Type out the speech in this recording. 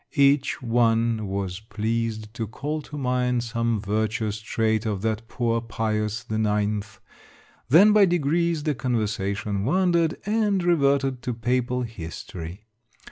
Each one was pleased to call to mind some virtu ous trait of that poor Pius IX. ; then, by degrees, the conversation wandered, and reverted to Papal History.